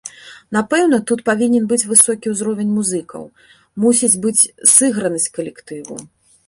Напэўна, тут павінен быць высокі ўзровень музыкаў, мусіць быць сыгранасць калектыву.